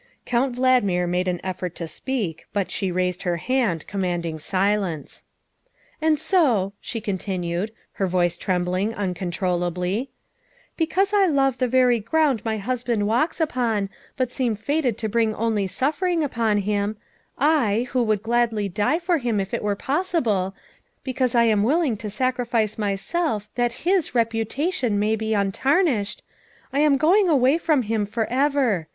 Count Valdmir made an effort to speak, but she raised her hand, commanding silence. "And so," she continued, her voice trembling uncon trollably, " because I love the very ground my husband walks upon, but seem fated to bring only suffering upon him I, who would gladly die for him if it were possible, because I am willing to sacrifice myself that his reputa tion may be untarnished, I am going away from him forever.